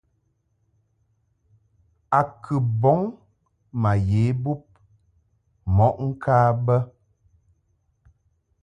A kɨ bɔŋ ma ye bub mɔʼ ŋka bə.